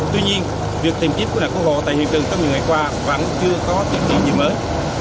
tuy nhiên việc tìm kiếm cứu nạn cứu hộ tại hiện trường trong những ngày qua vẫn chưa có tìm kiếm gì mới